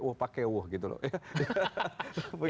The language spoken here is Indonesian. wuhh pake wuhh gitu loh itu itu apa ya